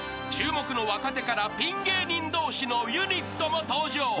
［注目の若手からピン芸人同士のユニットも登場］